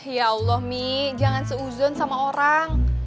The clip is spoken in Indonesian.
ya allah mi jangan seuzon sama orang